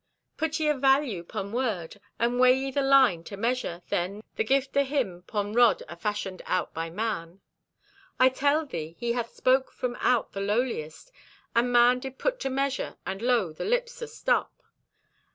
"Put ye a value 'pon word? And weigh ye the line to measure, then, the gift o' Him 'pon rod afashioned out by man? "I tell thee, He hath spoke from out the lowliest, and man did put to measure, and lo, the lips astop!